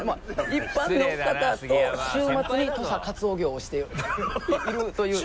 一般の方と週末に土佐かつお業をしているという。